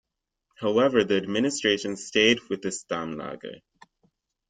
However the administration stayed with the Stammlager.